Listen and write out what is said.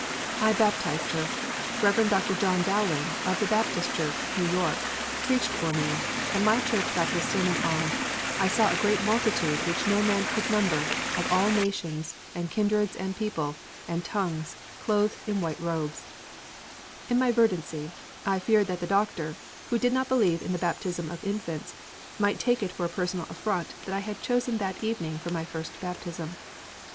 I baptised her. Rev. Dr. John Dowling, of the Baptist Church, New York, preached for me and my church his great sermon on, "I saw a great multitude which no man could number, of all nations, and kindreds, and people, and tongues, clothed in white robes." In my verdancy I feared that the Doctor, who did not believe in the baptism of infants, might take it for a personal affront that I had chosen that evening for this my first baptism. [Illustration: DR. TALMAGE IN HIS FIRST CHURCH, BELLEVILLE, NEW JERSEY.